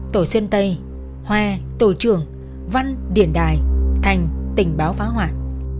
tổ xuyên tây hoa tổ trưởng văn điện đài thành tình báo phá hoại